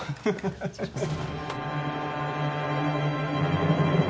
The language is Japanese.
失礼します。